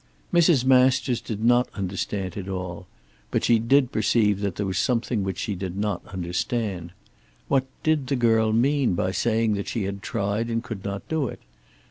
Mrs. Masters did not understand it at all; but she did perceive that there was something which she did not understand. What did the girl mean by saying that she had tried and could not do it?